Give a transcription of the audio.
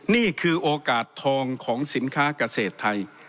นี่คือโอกาสทองของสินค้าเกษตรไทย